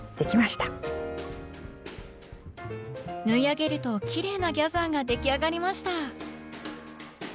縫い上げるとキレイなギャザーができあがりました！